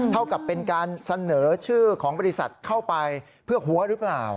เท่ากับเป็นการเสนอชื่อของบริษัทเข้าไปเพื่อหัวหรือเปล่า